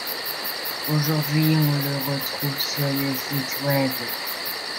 Aujourd'hui, on le retrouve sur le site Web.